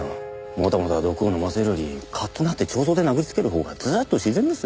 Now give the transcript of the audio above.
もたもた毒を飲ませるよりカッとなって彫像で殴りつける方がずっと自然です。